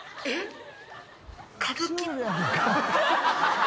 えっ？